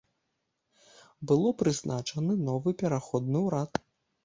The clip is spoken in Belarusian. Было прызначаны новы пераходны ўрад.